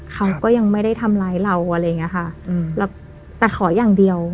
เขาก็ยังไม่ได้ทำร้ายเราอะไรอย่างเงี้ยค่ะอืมแล้วแต่ขออย่างเดียว